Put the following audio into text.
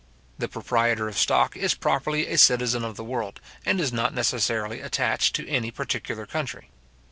The proprietor of stock is properly a citizen of the world, and is not necessarily attached to any particular country.